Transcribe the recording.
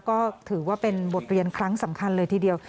ก็ถือว่าเป็นบทเรียนครั้งสำคัญเลยทีเดียว